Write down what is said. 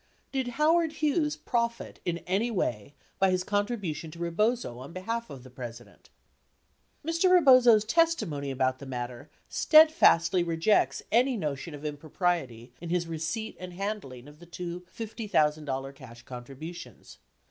Did Howard Hughes profit in any way by his contribution to Rebozo on behalf of the President ? Mr. Rebozo's testimony about the matter steadfastly rejects any notion of impropriety in his receipt and handling of the two $50,000 cash contributions.